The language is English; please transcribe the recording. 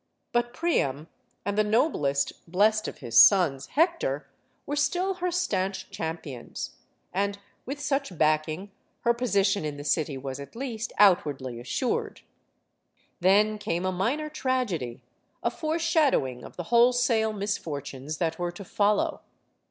But Priam, and the noblest blest of his sons Hector were still her stanch champions. And, with such backing, her position in the city was at least outwardly assured. Then came a minor tragedy, a foreshadowing of the wholesale misfortunes that were to follow.